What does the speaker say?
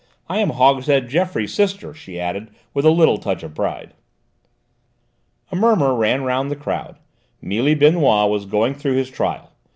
I am Hogshead Geoffroy's sister," she added with a little touch of pride. A murmur ran round the crowd. Mealy Benoît was going through his trial.